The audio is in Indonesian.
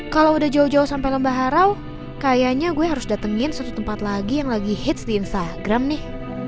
kalau udah jauh jauh sampai lembah harau kayaknya gue harus datengin satu tempat lagi yang lagi hits di instagram nih